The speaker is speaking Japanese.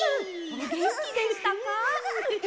おげんきでしたか？